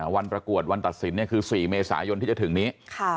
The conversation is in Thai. วันประกวดวันตัดสินเนี่ยคือ๔เมษายนที่จะถึงนี้ค่ะ